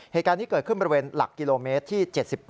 เหตุการณ์นี้เกิดขึ้นบริเวณหลักกิโลเมตรที่๗๘